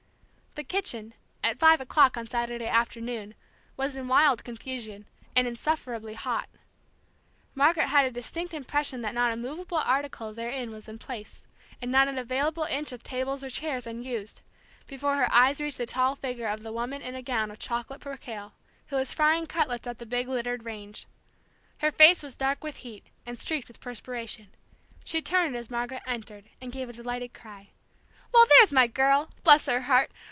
The kitchen, at five o'clock on Saturday afternoon, was in wild confusion, and insufferably hot. Margaret had a distinct impression that not a movable article therein was in place, and not an available inch of tables or chairs unused, before her eyes reached the tall figure of the woman in a gown of chocolate percale, who was frying cutlets at the big littered range. Her face was dark with heat, and streaked with perspiration. She turned as Margaret entered, and gave a delighted cry. "Well, there's my girl! Bless her heart!